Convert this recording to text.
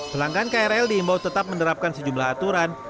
pelanggan krl diimbau tetap menerapkan sejumlah aturan